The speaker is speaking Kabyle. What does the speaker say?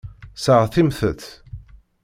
Seɣtimt-t.